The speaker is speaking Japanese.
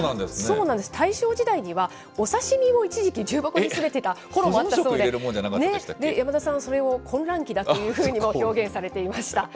大正時代にはお刺身を一時期、重箱に詰めてたころもあったそうで、山田さんはそれを混乱期だというふうにも表現されていました。